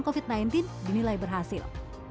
covid sembilan belas dinilai berhasil